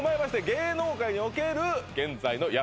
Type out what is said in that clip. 芸能界における現在のや